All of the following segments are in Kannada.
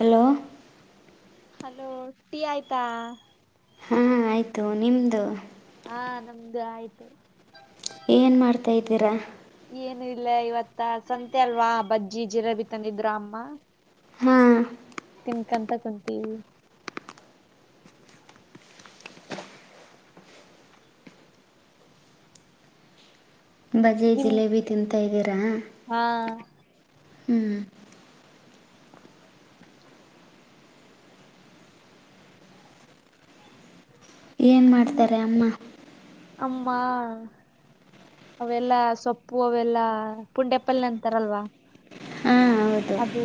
ಹಲೋ ಹಲೋ ಟೀ ಆಯ್ತಾ. ಹಾ ಆಯ್ತು ನಿಮ್ದು. ಹಾ ನಮ್ದು ಆಯ್ತು. ಏನ್ ಮಾಡ್ತಾಯಿದ್ದೀರಾ. ಏನು ಇಲ್ಲ ಇವತ್ತ ಸಂತೆ ಅಲ್ವಾ ಬಜ್ಜಿ ಜಿಲಾಬಿ ತಂದಿದ್ರು ಅಮ್ಮ. ಹಾಂ ತಿನ್ಕಂತ ಕುಂತೀವಿ. ಬಜೀ ನಿಮ್ ಜಿಲೇಬಿ ತಿಂತಾ ಇದಿರಾ. ಹಾ ಹ್ಮ್ ಏನ್ ಮಾಡ್ತಾರೆ ಅಮ್ಮ. ಅಮ್ಮಾ ಅವೆಲ್ಲ ಸೊಪ್ಪು ಅವೆಲ್ಲ ಪುಂಡ್ಯಪ್ಪಲ್ ಅಂತಾರಲ್ವಾ. ಹ ಅದು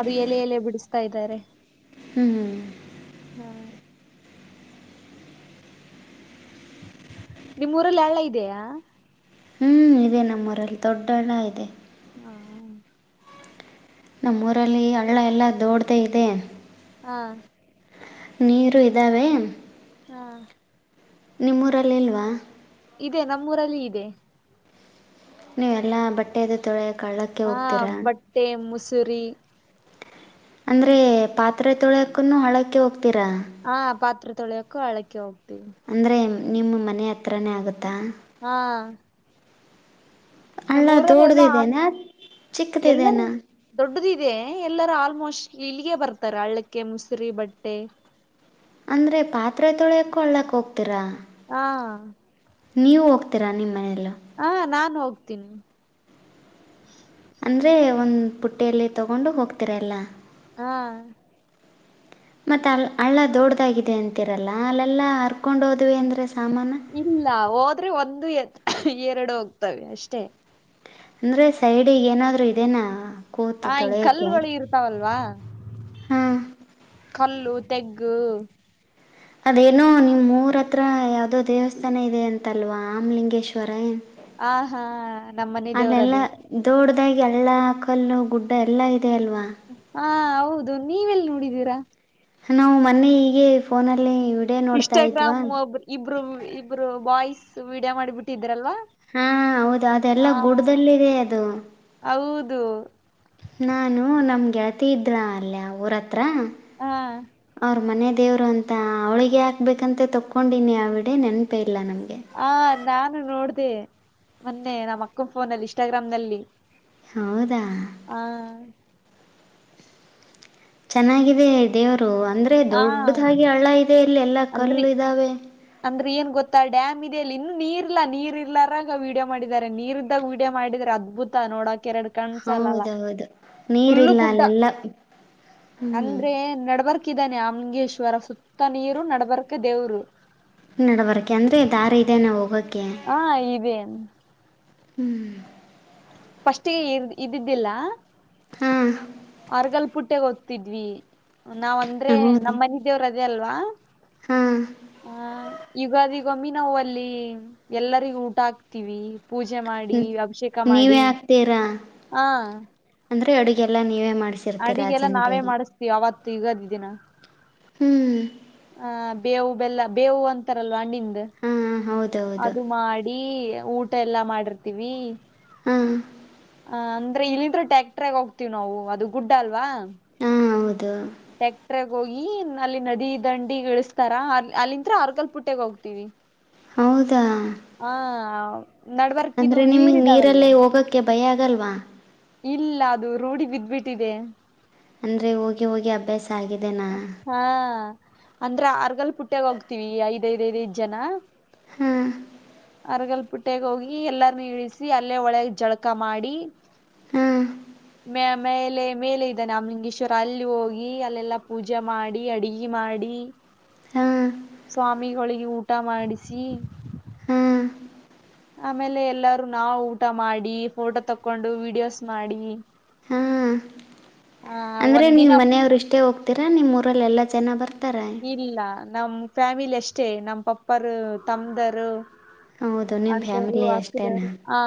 ಅದು ಎಲೆ ಎಲೆ ಬಿಡಿಸ್ತಾ ಇದ್ದಾರೆ. ಹ್ಮ್ ಹ್ಮ ಹಾ ನಿಮ್ ಊರಲ್ಲಿ ಹಳ್ಳ ಇದೆಯಾ. ಹ್ಞೂ ಇದೆ ನಮ್ಮೂರಲ್ಲಿ ದೊಡ್ಡಳ್ಳ ಇದೆ. ಹಾ ನಮ್ಮೂಊರಲ್ಲಿ ಹಳ್ಳ ಎಲ್ಲ ದೋಡ್ದೇ ಇದೆ. ಹಾ ನೀರು ಇದಾವೆ ಹ್ಮ ನಿಮ್ಮೂರಲ್ಲಿ ಇಲ್ವಾ. ಇದೆ ನಮ್ಮೂರಲ್ಲಿ ಇದೆ. ನೀವು ಎಲ್ಲ ಬಟ್ಟೆದು ತೊಳೆಕ ಹಳಕ್ಕ್ ಹಾ ಬಟ್ಟೆ ಮುಸುರಿ. ಅಂದ್ರೆ ಪಾತ್ರೆ ತೊಳೋಯಾಕೋನು ಹಳ್ಳಕ್ಕೆ ಹೋಗ್ತೀರಾ? ಹ ಪಾತ್ರೆ ತೊಳಿಯಕ್ಕೂ ಹಳ್ಳಕ್ಕೆೆ ಹೋಗ್ತಿವಿ. ಅಂದ್ರೆ ನಿಮ್ಮ ಮನೆ ಹತ್ರಿನೇ ಆಗುತ್ತಾ? ಹಾ ಹಳ್ಳ ನಮ್ಮೂರೆಲ್ಲಾ ಆಲ್ ದೊಡ್ಡದಿದೆನಾ ಎಲ್ಲರೂ ಚಿಕ್ಕದಿದೆನಾ ದೊಡ್ಡದ್ ಇದೆ ಎಲ್ಲರ ಆಲ್ಮೋಸ್ಟ್ ಇಲ್ಲಿಗೆ ಬರ್ತಾರೆ ಹಳ್ಳಕ್ಕೆ ಮುಸರಿ, ಬಟ್ಟೆ. ಅಂದ್ರೆ ಪಾತ್ರೆ ತೊಳೆಯಕೊ ಹಳ್ಳಕ್ ಹೋಗ್ತೀರಾ? ಹಾ ನೀವು ಹೋಗ್ತೀರಾ ನಿಮ್ಮ ಮನೆಲ್ಲು. ಆ ನಾನ್ ಹೋಗ್ತೀನಿ. ಅಂದರೆ ಒಂದು ಪುಟ್ಟೆಯಲ್ಲಿ ತೊಗೊಂಡು ಹೋಗ್ತಿರ ಎಲ್ಲ. ಹಾ ಮತ್ತೆ ಅ ಹಳ್ಳ ದೊಡ್ಡ್ದಾಗಿದೆ ಅಂತಿರಲ್ಲ ಅಲ್ಲೆಲ್ಲ ಹರ್ಕೊಂಡ್ ಹೋದ್ವಿ ಅಂದ್ರೆ ಸಾಮಾನ ಇಲ್ಲ ಹೋದ್ರೆ ಒಂದು ಎ ಎರಡು ಹೋಗ್ತವೆ ಅಷ್ಟೇ ಅಂದ್ರೆ ಸೈಡಗೆ ಏನಾದ್ರು ಇದದೆನಾ ಹ ಈ ಕಲ್ಗಳು ಇರ್ತಾವಲ್ವಾ ಹಾಂ ಹಲ್ಲು ತೆಗ್ಗು ಅದೇನೋ ನಿಮ್ಮ ಮೂರ ಹತ್ರ ಯಾವುದೋ ದೇವಸ್ಥಾನ ಇದೆ ಅಂತಲ್ವಾ ಆಮ್ಲಿಂಗೇಶ್ವರ ಏ ಆ ಹಾ ನಮ್ಮನೆ ದೇವ್ರದು ದೊಡ್ದಾಗಿ ಹಳ್ಳ ಕಲ್ಲು ಗುಡ್ಡ ಎಲ್ಲಾ ಇದೆ ಅಲ್ವಾ. ಹಾ ಹೌದು ನೀವೆಲ್ ನೋಡಿದೀರಾ? ನಾವು ಮೊನ್ನೆ ಈಗೆ ಫೋನಲ್ಲಿ ವಿ ಇಸ್ಟಾಗ್ರಾಮ್ ಒಬ್ರು ಇಬ್ರು ಇಬ್ರು ಬಾಯ್ಸ್ ವಿಡಿಯೋ ಮಾಡಿಬಿಟ್ಟಿದ್ರ ಅಲ್ವಾ? ಹಾ ಹೌದು ಅದೆಲ್ಲಾ ಗುಡ್ಡಲ್ಲಿ ಇದೇ ಅದು ಹೌದು... ನಾನು ನಮ್ಮ ಗೆಳತಿ ಇದ್ರಾ ಅಲ್ಲಿ ಆ ಊರ ಹತ್ರ. ಹಾ ಅವ್ರ ಮನೆ ದೇವ್ರು ಅಂತ ಅವಳಿಗೆ ಹಾಕ್ಬೇಕಂತ ತೊಕೊಂಡೀನಿ ಆವಿಡ ನೆನಪೆ ಇಲ್ಲ ನನ್ಗೆ ಆ ನಾನು ನೋಡ್ದ ಮೊನ್ನೆ ನಮ್ಮ್ ಅಕ್ಕನ್ ಫೋನಲ್ಲಿ ಇಸ್ಟಾಗ್ರಾಮ್ ನಲ್ಲಿ ಹೌದಾ ಹಾ ಚೆನ್ನಾಗಿದೆ ದೇವರು ಅಂದ್ರೆ ಆ ದೊಡ್ಡದಾಗಿ ಹಳ್ಳ ಇದೆ ಇಲ್ಲಿ ಎಲ್ಲಾ ಅಂದ್ರಿ ಕಲ್ಲು ಇದ್ದಾವೆ. ಅಂದ್ರೆ ಏನ್ ಗೊತ್ತಾ ಡ್ಯಾಮ್ ಇದದೆಲ್ಲಿ ಇನ್ನು ನೀರ್ ಇಲ್ಲ ನೀರ್ ಇಲ್ಲಾರಾಗ ವೀಡಿಯೋ ಮಾಡಿದಿದ್ದಾರೆ ನೀರ್ ಇದ್ದಾಗ ವೀಡಿಯೋ ಮಾಡಿದ್ರೆ ಅದು ಬುತ್ತಾ ನೋಡಾಕ ಎರಡು ಕಾಣ್ ಸಲ್ಲಲ್ಲ ಹೌದೌದು ಫುಲ್ಲು ನೀರಿಲ್ಲ ಗುಡ್ಡ ಅಲ್ಲೆಲ್ಲ ಹ್ಞೂ ಅಂದ್ರೆ ನಡ್ಬರ್ ಹಾಕಿದ್ದಾನೆ ಅಮಂಗೇಶ್ವರ ಸುತ್ತ ನೀರು ನಡಬರ್ಕ ದೇವ್ರು ನಡಬರಕೆ ಅಂದ್ರೆ ದಾರಿ ಇದದೆನ ಹೋಗೋಕೆ? ಹಾ ಇದೇ. ಹ್ಮ್ ಫಸ್ಟ್ಗೆ ಇದ್ದಿದ್ದಿಲ್ಲಾ? ಹಾ ಹೊರಗಲ್ ಪುಟ್ಟೆಗ್ ಓದ್ತಿದ್ವಿ ನಾವ್ ಅಂದ್ರೆ ಹೌದು ನಮ್ಮ್ ಮನೆ ದೇವ್ರ ಅದೇ ಅಲ್ವಾ ಹಾಂ ಹಾ ಯುಗದಿಗೊಮ್ಮಿ ನಾವು ಅಲ್ಲಿ ಎಲ್ಲರಿಗ ಊಟ ಹಾಕ್ತಿವಿ ಪೂಜೆ ಮಾಡಿ, ಹ್ಮ ಅಭಿಷೇಕ ನೀವೇ ಮಾಡಿ, ಆಗ್ತೀರಾ ಹಾ ಅಂದ್ರೆ ಅಡುಗೆಲ್ಲಾ ನೀವೇ ಮಾಡ್ಸಿ ಅಡಿಗೆಲ್ಲ ನಾವೇ ಮಾಡಿಸ್ತೀವಿ ಅವತ್ತು ಯುಗಾದಿ ದಿನ ಹ್ಮ್ ಹ ಬೇವು ಬೆಲ್ಲ ಬೇವು ಅಂತಾರಲ್ವಾ ಹಣ್ಣಿಂದ ಹಾ ಹೌದೌದು ಅದು ಮಾಡಿ ಈ ಊಟ ಎಲ್ಲಾ ಮಾಡಿರ್ತೀವಿ ಹಾಂ ಆ ಅಂದ್ರೆ ಇಲ್ಲಿಂದ್ರ ಟ್ಯಾಕ್ಟರ್ಗ ಹೋಗ್ತತಿವಿ ನಾವು ಅದು ಗುಡ್ ಅಲ್ವಾ ಹ್ಮ್ ಹೌದು ಟ್ಯಾಕ್ಟ್ರಗ್ ಹೋಗಿ ಅಲ್ಲಿ ನದಿ ದಂಡಿ ಈಳಿಸಸ್ತಾರ ಅ ಅಲ್ಲಿಂತ್ರ ಅವರ್ಗಲ್ ಪುಟ್ಟಗ ಹೋಗ್ತೀವಿ ಹೌದಾ ಆ ನಡ್ಬರ್ಕ್ ಇದು ಅಂದ್ರೆ ನೀರ್ ನಿಮಗ್ ಇದಾವಲ್ವಾ ನೀರಲ್ಲೇ ಹೋಗಕ್ ಕೆ ಭಯ ಆಗಲ್ವಾ ಇಲ್ಲ ಅದು ರೂಢಿ ಬಿದ್ದ್ಬಿಟ್ಟಿದೆ. ಅಂದ್ರೆ ಹೋಗಿ ಹೋಗಿ ಅಭ್ಯಾಸ ಆಗಿದೆನಾ.... ಹಾ ಅಂದ್ರೆ ಆರ್ಗಲ್ ಪುಟ್ಟಾಗ ಹೋಗ್ತೀವಿ ಐದ್ ಐದ್ ಐದ್ ಐದ್ ಜನ..... ಹ್ಮ್ಮ...... ಅರಗಲ್ ಪುಟ್ಟಗ ಹೋಗಿ ಎಲ್ಲರೂನೂ ಇಳಿಸಿ ಅಲ್ಲೇ ಹೊಳೆಯಾಗ್ ಜಳಕ ಮಾಡಿ ಹಾ... ಮೇಲೆ ಮೇಲೆ ಇದ್ದಾನೆ ಆಮಿರ್ಗೇಶ್ವರ ಅಲ್ಲಿ ಹೋಗಿ ಅಲ್ಲೆಲ್ಲಾ ಪೂಜೆ ಮಾಡಿ ಅಡಿಗೆ ಮಾಡಿ ಹ್ಮ್ ಸ್ವಾಮಿಹೋಳಿಗೆ ಊಟ ಮಾಡಿಸಿ ಹ್ಮ್ ಆಮೇಲೆ ಎಲ್ಲಾರೂ ನಾವು ಊಟ ಮಾಡಿ ಫೋಟೋ ತಕೊಂಡು ವಿಡಿಯೋಸ್ ಮಾಡಿ ಹಾ ಆ ಅಂದರೆ ಒಂದ್ ನೀವು ದಿನ ಫುಲ್ ಮನೆಯವರು ಇಷ್ಟೇ ಹೋಗ್ತ ಈಗ [unintelligible] ನಿಮ್ ಊರಲಿ ಎಲ್ಲಾ ಜನ ಬರ್ತಾರ ಇಲ್ಲ ನಮ್ ಫ್ಯಾಮಿಲಿ ಅಷ್ಟೇ ನಮ್ ಪಪ್ಪರು ತಮ್ದರು ಹೌದು ನಿಮ್ಮ ಅಡದರು ಫ್ಯಾಮಿಲಿ ಅಷ್ಟೇನಾ ಅಕ್ಕದವರು ಹಾ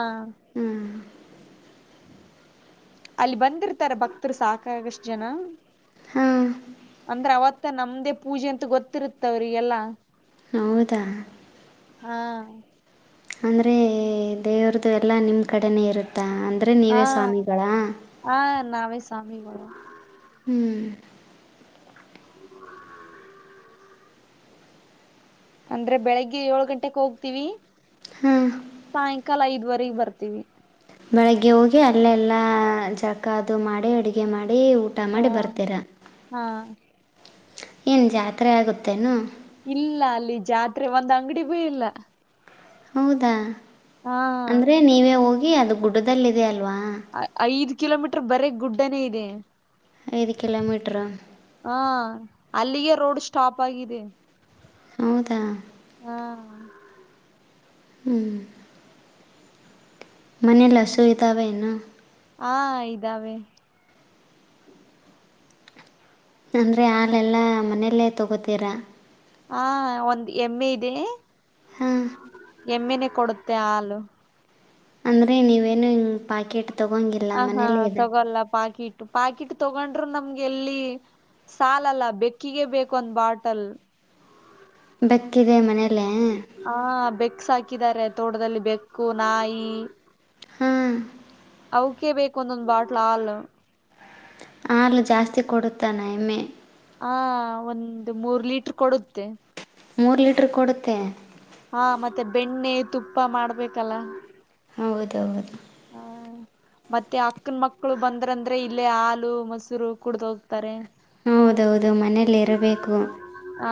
ಹ್ಞೂ ಅಲ್ಲಿ ಬಂದಿರ್ತಾರ ಭಕ್ತರು ಸಾಕಾಗಷ್ಟ ಜನ ಹಾಂ ಅಂದ್ರೆ ಅವತ್........ ತ್ತ ನಮ್ದೇ ಪೂಜೆ ಅಂತ ಗೊತ್ತಿರುತ್ತ ಅವ್ರಿಗೆ ಎಲ್ಲಾ ಹೌದಾ ಹಾ ಅಂದರೆ ದೇವ್ರ್ದ ಎಲ್ಲ ನಿಮ್ಮ ಕಡೆನೇ ಇರುತ್ತಾ ಅಂದ್ರೆ ಹಾ ನೀವೇ ಸ್ವಾಮಿಗಳ ಹಾ ನಾವೇ ಸಾಮಿಗೊಳ್ ಹ್ಮ್ ಹ್ಮ್ಮ [inaudible] ಅಂದ್ರೆ ಬೆಳಿಗ್ಗೆ ಏಳ್ ಗಂಟೆಕ್ ಹೋಗ್ತಿವಿ ಹ್ಮ್ ಸಾಯಂಕಾಲ ಐದ್ವರಿಗೆ ಬರ್ತೀವಿ ಬೆಳಗ್ಗೆ ಹೋಗಿ ಅಲ್ಲೆಲ್ಲ ಜಕಾ ಅದು ಮಾಡಿ ಅಡುಗೆ ಮಾಡಿ ಊಟ ಹ ಮಾಡಿ ಬರ್ತೀರ ಹಾ ಏನ್ ಜಾತ್ರೆ ಆಗುತ್ತೇನು ಇಲ್ಲ ಅಲ್ಲಿ ಜಾತ್ರೆ ಬೀ ಒಂದ್ ಅಂಗಡಿ ಭೂ ಇಲ್ಲ ಹೌದಾ ಹಾ ಅಂದರೆ ನೀವೇ ಹೋಗಿ ಅದು ಗುಡ್ಡದಲ್ಲಿದೆ ಅಲ್ವಾ.,. ಐ ಐದ್ ಕಿಲೋಮೀಟರ್ ಬರೆ ಗುಡ್ಡನೇ ಇದೆ ಐದ ಕಿಲೋಮೀಟರ ಹಾ ಅಲ್ಲಿಗೆ ರೋಡ್ ಸ್ಟಾಪ್ ಆಗಿದೆ ಹೌದಾ ಹ್ಮ ಹ್ಮ್ ಮನೇಲಿ ಹಸು ಇದಾವೆ ಏನು ಹಾ ಇದಾವೆ ಅಂದರೆ ಹಾಲೆಲ್ಲ ಮನೆಯಲ್ಲೇ ತೊಗೋತೀರಾ ಹ ಒಂದ ಎಮ್ಮೆ ಇದೆ.. ಹಾ ಎಮ್ಮೆನೆ ಕೊಡುತ್ತೆ ಆಲು ಅಂದ್ರೆ ನೀವೇನು ಹಿಂಗ ಪಾಕೆಟ್ ತಗೊಗ್ಗಿಲ್ಲ ಹ ಹಾ ತಗೊಲ್ಲ ಪಾಕಿಟ್ ಪಾಕಿಟ್ ತಗೊಂಡ್ರರು ನಮ್ಗೆ ಎಲ್ಲಿ ಸಾಲಲ್ಲ ಬೆಕ್ಕಿಗೆ ಬೇಕು ಒಂದ್ ಬಾಟಲ್ ಬೆಕ್ಕಿದೆ ಮನೆಯಲ್ಲೇ? ಹಾ ಬೆಕ್ ಸಾಕಿದ್ದಾರೆ ತೋಟದಲ್ಲಿ ಬೆಕ್ಕು ನಾಯಿ ಹಾ. ಅವೆಕ್ಕೆ ಬೇಕು ಒಂದೊಂದ್ ಬಾಟ್ಲ ಹಾಲು. ಹಾಲು ಜಾಸ್ತಿ ಕೊಡುತ್ತನ ಏಮ್ಮೆ? ಹ ಒಂದು ಮೂರ್ ಲೀಟರ್ ಕೊಡುತ್ತೆ. ಮೂರು ಲೀಟರ್ ಕೊಡುತ್ತೆ. ಹಾ ಮತ್ತೆ ಬೆಣ್ಣೆ ತುಪ್ಪ ಮಾಡ್ಬೇಕಲ್ಲ. ಹೌದ ಹೌದು. ಹಾ. ಮತ್ತೆ ಅಕ್ಕನ ಮಕ್ಕಳು ಬಂದ್ರಂದ್ರೆ ಇಲ್ಲೇ ಹಾಲು ಮೊಸರು ಕೂಡ್ದ ಹೋಗ್ತಾರೆ. ಹೌದೌದು ಮನೇಲಿ ಇರಬೇಕು. ಹಾ.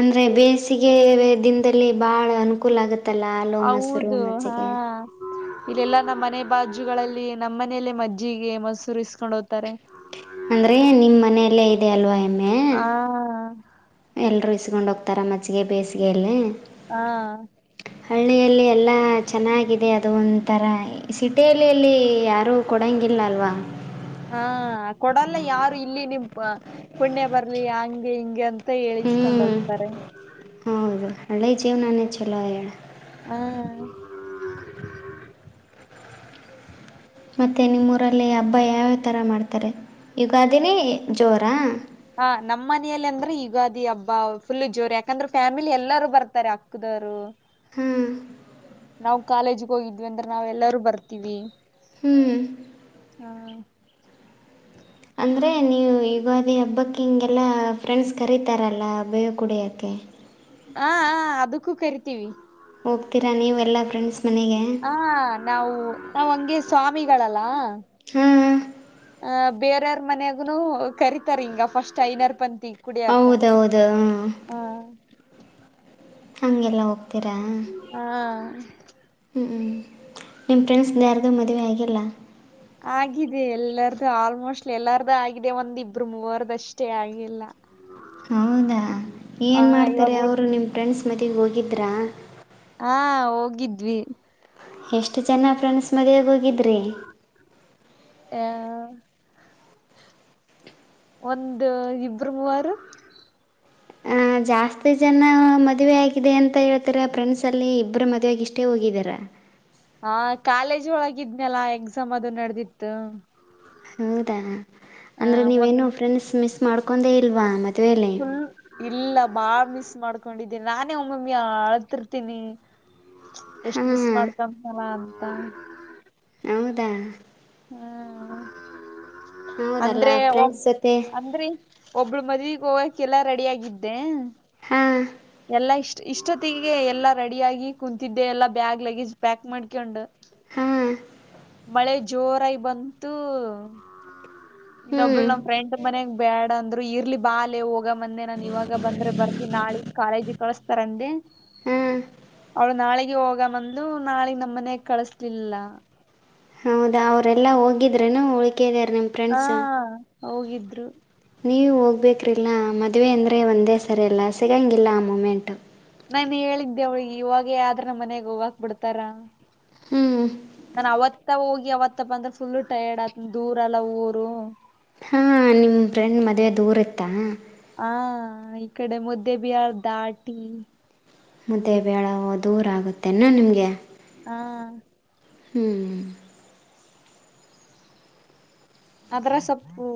ಅಂದರೆ ಬೇಸಿಗೆ ವೆ ದಿನದಲ್ಲಿ ಭಾಳ ಅನುಕೂಲ ಆಗುತ್ತಲ್ಲ ಹಾಲು ಮೊಸರು ಹೌದು ಹಾ ಮಜ್ಜೆಗೆ ಇಲ್ಲೆಲ್ಲಾ ನಮ್ಮ್ ಮನೆ ಬಾಜುಗಳಲ್ಲಿ ನಮ್ಮ ಮನೆಯಲ್ಲೇ ಮಜ್ಜಿಗೆ ಮೊಸೂರು ಇಸ್ಕೊಂಡ್ ಹೋಗ್ತಾರೆ. ಅಂದ್ರೆ ನಿಮ್ಮ್ ಮನೆಯಲ್ಲೇ ಇದೆ ಅಲ್ವಾ ಎಮ್ಮೆ ಆ ಎಲ್ಲರೂ ಇಸ್ಕೊಂಡ ಹೋಗ್ತಾರೆ ಮಜ್ಜಿಗೆ ಬೇಸಿಗೆಯಲ್ಲಿ. ಹಾ. ಹಳ್ಳಿಯಲ್ಲಿ ಎಲ್ಲ ಚೆನ್ನಾಗಿದೆ ಅದು ಒಂಥರ ಸಿಟಿಯಲ್ಲಿಲ್ಲಿ ಯಾರು ಕೊಡಂಗಿಲ್ಲ ಅಲ್ವಾ? ಹಾ ಕೊಡಲ್ಲ ಯಾರು ಇಲ್ಲಿ ನಿಮ್ಮ ಪುಣ್ಯ ಬರ್ಲಿ ಹಂಗೆ ಹಿಂಗೆ ಅಂತ. ಮತ್ತ ಹ್ಞೂ ಹೇಳಿಸ್ಕೊಂಡೋಗತಾರೆ ಹೌದು ಹಳ್ಳಿ ಜೀವನನೇ ಹ್ಮ್. ಚಲೋ ಹೇಳು ಹ್ಮ್. ಮತ್ತೆ ನಿಮ್ಮೂರಲ್ಲಿ ಹಬ್ಬ ಯಾವ್ಯಾವ ಥರ ಮಾಡ್ತಾರೆ ಈಗ ಯುಗಾದಿನೆ ಜೋರಾ? ಹಾ ನಮ್ಮ್ ಮನಲಿ ಅಂದ್ರೆ ಯುಗಾದಿ ಹಬ್ಬ ಫುಲ್ ಜೋರ ಯಾಕಂದ್ರೆ ಫ್ಯಾಮಿಲಿ ಎಲ್ಲಾರೂ ಬರ್ತಾರೆ ಅಕ್ಕದವರು. ಹ್ಮ್. ನಾವು ಕಾಲೇಜಗ ಹೋಗಿದ್ವಿ ಅಂದ್ರ ನಾವ್ ಎಲ್ಲಾರೂ ಬರ್ತೀವಿ. ಹ್ಮ್. ಹಾ. ಅಂದರೆ ನೀವು ಯುಗಾದಿ ಹಬ್ಬಕ್ಕೆ ಹಿಂಗೆಲ್ಲ ಫ್ರೆಂಡ್ಸ್ ಕರೀತಾರಲ್ಲ [unintelligible] ಕುಡಿಯೋಕೇ ಹ ಹಾ ಹಾ ಅದಕ್ಕೂ ಕರಿತೀವಿ. ಹೋಗ್ತೀರಾ ನೀವು ಎಲ್ಲ ಫ್ರೆಂಡ್ಸ್ ಮನೆಗೆ? ಹಾ ನಾವು ನಾವ್ ಹಂಗೆ ಸ್ವಾಮಿಗಳಲ್ಲ. ಹ್ಮ್. ಹಾ ಬೇರೆಯವರ ಮನ್ಯಾಗನು ಕರಿತಾರ ಹಿಂಗ ಫಸ್ಟ್ ಐನಾರ್ ಪಂತಿಗ್. ಹೌದೌದು ಹ. ಹಂಗೆಲ್ಲ ಹೋಗ್ತೀರಾ? ಹಾ. ಹ್ಮ್ ನಿಮ್ಮ ಫ್ರೆಂಡ್ಸ್ ಯಾರ್ದು ಮದುವೆ ಆಗಿಲ್ಲ? ಆಗಿದೆ ಎಲ್ಲಾರ್ದು ಆಲ್ಮೋಸ್ಟ್ ಎಲ್ಲಾರ್ದು ಆಗಿದೆ ಒಂದ್ ಇಬ್ರು ಮೂವರದಷ್ಟೇ ಆಗಿಲ್ಲ. ಹೌದಾ ಹ ಏನು ಮಾಡ್ತಾರೆ ಇವಾಗ ಅವರು ನಿಮ್ಮ ಫ್ರೆಂಡ್ಸ್ ಮದ್ವಿಗೆ ಹೋಗಿದ್ರಾ? ಹಾ ಹೋಗಿದ್ವಿ. ಎಷ್ಟು ಜನ ಫ್ರೆಂಡ್ಸ್ ಮದುವೆ ಹೋಗಿದ್ರಿ? [unintelligible] ಒಂದ ಇಬ್ಬರ ಮೂವರು. ಜಾಸ್ತಿ ಜನ ಮದುವೆ ಆಗಿದೆ ಅಂತ ಹೇಳ್ತಾರೆ ಫ್ರೆಂಡ್ಸಲ್ಲಿ ಇಬ್ಬರು ಮದುವೆಗ ಇಷ್ಟೇ ಹೋಗಿದ್ದಾರ ಹಾ ಕಾಲೇಜ್ ಒಳಗಿದ್್ಮ್ಯಲ್ಲಾ ಎಕ್ಸಾಮ್ ಅದು ನಡೆದಿತ್ತು ಹೌದಾ ಆ ಅಂದರೆ ಒಂದು ನೀವೇನು ಫ್ರೆಂಡ್ಸ್ ಮಿಸ್ ಮಾಡ್ಕೊಂಡೇ ಇಲ್ವಾ ಮದುವೆಯಲ್ಲಿ ಫುಲ್ ಇಲ್ಲ ಬಾ ಮಿಸ್ ಮಾಡ್ಕೊಂಡಿದ್ದೀನಿ ನಾನೇ ಒಮ್ಮಮ್ಮಿ ಆಳ್ತಿರ್ತೀನಿ ಎಷ್ಟ್ ಮಿಸ್ ಹಾಂ ಮಾಡ್ಕಲ್ಲ ಅಂತ ಹೌದಾ ಹ್ಮ್ ಹೌದಲ್ಲ ಅಂದ್ರೆ ಒಬ್ ಫ್ರೆಂಡ್ಸ್ ಜೊತೆ ಅಂದ್ರರಿ ಒಬ್ಬಳ ಮದ್ವೆಗ ಹೋಗಕ್ಕೆೆಲ್ಲಾ ರೆಡಿಿಯಗಿದ್ದೆ ಹಾ ಎಲ್ಲಾ ಇಷ್ಟ ಇಷ್ಟೊತ್ತಿಗೆ ಎಲ್ಲಾ ರೆಡಿಿಯಗಿ ಕುೂಂತಿದ್ದೆ ಎಲ್ಲಾ ಬ್ಯಾಗ್ ಲಗೇಜ್ ಪ್ಯಾಕ್ ಮಾಡ್ಕೊಂಡು ಹಾಂ ಮಳೆ ಜೋರಾಗಿ ಬಂತು ಹ್ಞೂ ಇನ್ನೊಬ್ಬಳ ನಮ್ ಫ್ರೆಂಡ್ ಮನ್ಗ್ ಬೇಡ ಅಂದ್ರ ಇರ್ಲಿ ಬಾಲ್ ಹೋಗ ಬಂದೆ ನಾನನ್ ಇವಾಗ ಬಂದ್ರೆ ಬರ್ೀನಿ ನಾ ಕಾಲೇಜಿ ಕಳಸ್ತಾರಂದ ಹಾಂ ಅವ್ಳ ನಾಳೆಗೆ ಹೋಗ ಮಂದ ಇದು ನಾಳಗ್ ನಮ್ಮ ಮನೆಾಗ ಕಳಸ್್ಲಿಲ್ಲ ಹೌದಾ ಅವರೆಲ್ಲ ಹೋಗಿದ್ರರು ಉಳ್ಕಿದಾರೆ ನಿಮ್ಮ ಹಾ ಫ್ರೆಂಡ್ಸು ಹೋಗಿದ್ರು ನೀವು ಹೋಗ್ಬೇಕ್ರಿಲ್ಲ ಮದುವೆ ಅಂದರೆ ಒಂದೇ ಸರಿಯಲ್ಲ ಸಿಗೋಂಗಿಲ್ಲ ಆ ಮೂಮೆಂಟ್ು ನಾನ ಹೇಳಿದ್ದೆ ಅವಳಿಗೆಿ ಇವಾಗ ಯ್ರ ನಮ್ಮ ಮನೆಗ್ ಹೋಗಕ್ ಬಿಡ್ತಾರ ಹ್ಮ್ ನಾನ ಅವತ್ತ ಹೋಗಿ ಅವತ್ತಪ್ಪ ಅಂದ್ರೆ ಫುಲ್ು ಟೈರ್ಡ್ ಆತ ದೂರಲ್ಲ ಊರು ಹಾಂ ನಿಮ್ಮ ಫ್ರೆಂಡ್ ಮದುವೆ ದೂರ ಇತ್ತಾ ಹಾ ಇ ಕಡೆ ಮುದ್ದೆ ಬಿಹಾರ್ ದಾಟಿ ಮುದ್ದೆ ಬೇಡ ದೂರ ಆಗುತ್ತೆನಾ ನಿಮಗೆ ಹಾ ಹ್ಮ್ ಅದ್ರ ಸೊಪ್ಪು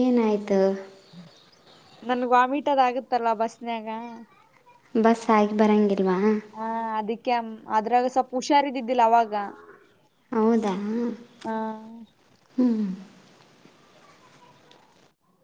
ಏನಾಯ್ತು ನನ್ಗ್ ವಾಮಿಟ್ ಅದ ಆಗುತ್ತಲ್ಲ ಬಸ್ನ್ಯಾಗ ಬಸ್ ಆಗಿ ಬರೋಂಗಿಲ್ವಾ ಅದಕ್ಕೆ ಅದ್ರಾಗ ಸ್ವಲ್ಪ ಹುಷಾರಿದಿದ್ದಿಲ್ಲ ಅವಾಗ ಹೌದಾ ಆ. ಹ್ಮ್